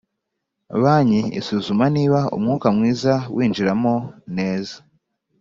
Banki isuzuma niba umwuka mwiza winjiramo neza